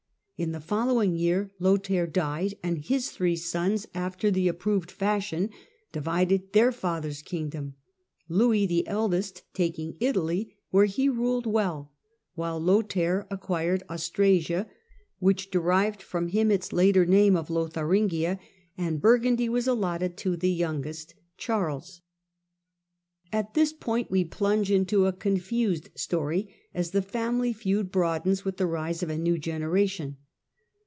In the following year Lothair died, and his three sons, after the approved fashion, divided their father's kingdom, Louis, the eldest, taking Italy, where he ruled well, while Lothair acquired Austrasia, which derived from him its later name of Lotharingia, and Burgundy was allotted to the youngest, Charles. At this point we plunge into a confused story, as the family feud broadens with the rise of a new generation.